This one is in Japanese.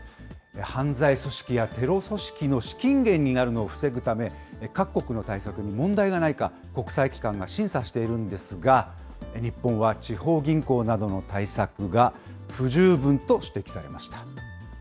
犯罪組織やテロ組織の資金源になるのを防ぐため、各国の対策に問題がないか、国際機関が審査しているんですが、日本は地方銀行などの対策が不十分と指摘されました。